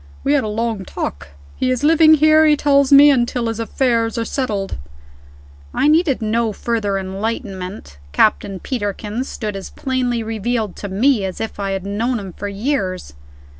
We had a long talk. He is living here, he tells me, until his affairs are settled." I needed no further enlightenment Captain Peterkin stood as plainly revealed to me as if I had known him for years.